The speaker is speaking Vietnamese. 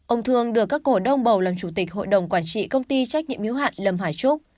ông thương được các cổ đông bầu làm chủ tịch hội đồng quản trị công ty trách nhiệm hiếu hạn lâm hải trúc